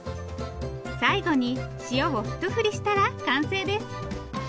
最後に塩をひと振りしたら完成です。